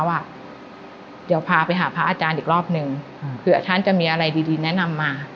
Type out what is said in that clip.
ว่าเดี๋ยวพาไปหาพระอาจารย์อีกรอบนึงเผื่อท่านจะมีอะไรดีแนะนำมา